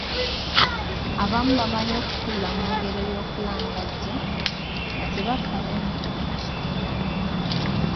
Abamu bamanyi okutuula mu ngero y’okulangajja, nga tebafaayo na ku kigenda mu maaso.